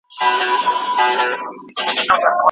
د دولتي قدرت لاسته راوړل پراخو هڅو ته اړتيا لري.